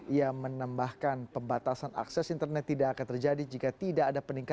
ia menambahkan pembatasan akses internet tidak akan terjadi jika tidak ada peningkatan